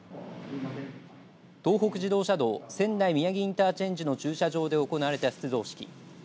東北自動車道仙台宮城インターチェンジの駐車場で行われた出動式。